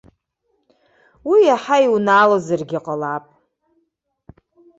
Уи иаҳа иунаалозаргьы ҟалап.